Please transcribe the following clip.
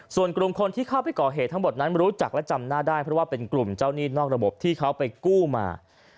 ส่วนกลุ่มคนที่เข้าไปก่อเหตุทั้งหมดนั้นรู้จักและจำหน้าได้เพราะว่าเป็นกลุ่มเจ้าหนี้นอกระบบที่เขาไปกู้มา